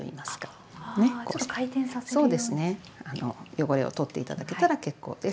汚れを取って頂けたら結構です。